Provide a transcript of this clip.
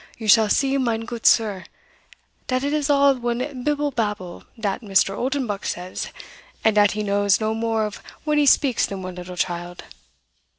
You shall see, mine goot sir, dat it is all one bibble babble dat Mr. Oldenbuck says, and dat he knows no more of what he speaks than one little child.